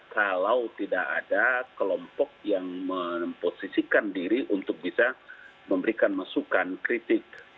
kalau tidak ada kelompok yang memposisikan diri untuk bisa memberikan masukan kritik